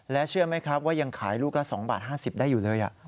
เชื่อไหมครับว่ายังขายลูกละ๒บาท๕๐ได้อยู่เลย